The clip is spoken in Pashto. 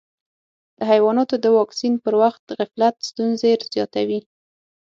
د حیواناتو د واکسین پر وخت غفلت ستونزې زیاتوي.